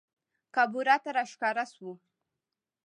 کابورا ته راښکاره سوو